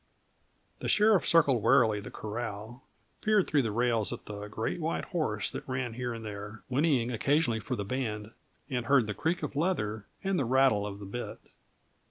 The sheriff circled warily the corral, peered through the rails at the great white horse that ran here and there, whinnying occasionally for the band, and heard the creak of leather and the rattle of the bit.